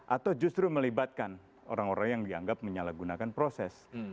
atau justru melibatkan orang orang yang dianggap menyalahgunakan proses